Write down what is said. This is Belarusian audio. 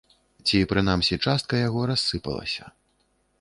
Ці, прынамсі, частка яго рассыпалася.